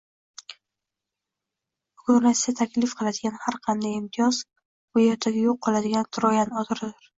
Bugun Rossiya taklif qiladigan har qanday imtiyoz - bu ertaga yo'q qiladigan troyan otidir